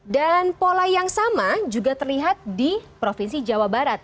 dan pola yang sama juga terlihat di provinsi jawa barat